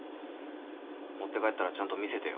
持って帰ったらちゃんと見せてよ。